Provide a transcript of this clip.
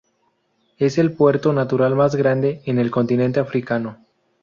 Es el puerto natural más grande en el continente africano.